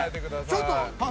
◆ちょっと。